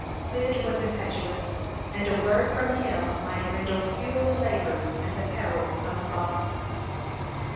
Cyd was impetuous, and a word from him might render futile the labors and the perils of months.